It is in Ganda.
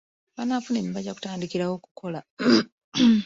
Abanaafuna emirimu bajja kutandikirawo okukola.